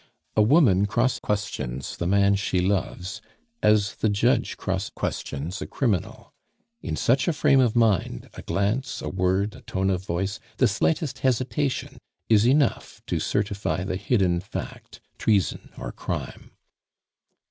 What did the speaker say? A woman cross questions the man she loves as the judge cross questions a criminal. In such a frame of mind, a glance, a word, a tone of voice, the slightest hesitation is enough to certify the hidden fact treason or crime.